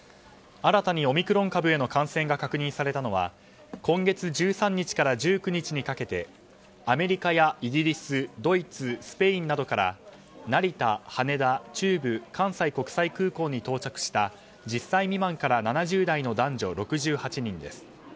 新たにオミクロン株への感染が確認されたのは今月１３日から１９日にかけてアメリカやイギリス、ドイツスペインなどから成田、羽田、中部関西国際空港に到着した１０歳未満から７０代の男女６８人です。